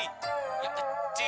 ini pasti nyongakukan segera ini